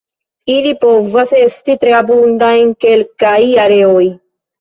Ili povas esti tre abundaj en kelkaj areoj.